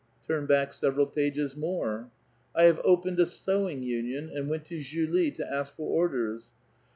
'* Turn back several pages more." ^^ I have opened a sewing union, and went to Julie to ask for orders.